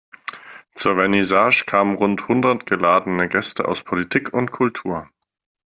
Zur Vernissage kamen rund hundert geladene Gäste aus Politik und Kultur.